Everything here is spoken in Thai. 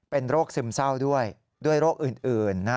เป็นโรคซึมเศร้าด้วยด้วยโรคอื่น